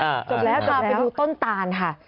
จบแล้วจะไปดูต้นตานค่ะ